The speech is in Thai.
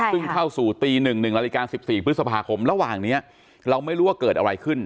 ซึ่งเข้าสู่ตี๑๑นาฬิกา๑๔พฤษภาคมระหว่างนี้เราไม่รู้ว่าเกิดอะไรขึ้น